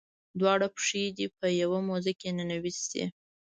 دواړه پښې دې په یوه موزه کې ننویستې.